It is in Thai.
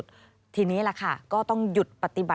สวัสดีค่ะสวัสดีค่ะ